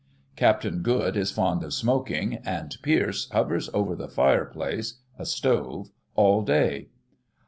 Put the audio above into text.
Captain Good is fond of smoking, and Pierce hovers over the fireplace (a stove) all day.